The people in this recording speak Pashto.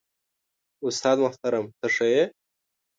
استاد محترم ته ښه يې؟